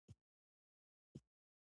جبیر په نظم اړولې وه.